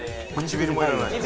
「唇もいらない？」